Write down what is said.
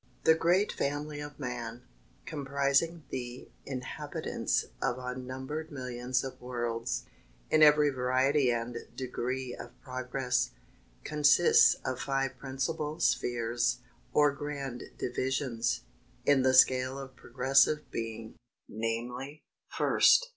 The great family of man, comprising the inhabitants of unnumbered millions of worlds, in every variety and degree of progress, consists of five principal spheres, or grand divisions, in the scale of progressive being, viz. First.